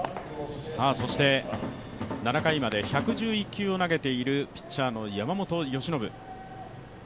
７回まで１１１球を投げているピッチャーの山本由伸。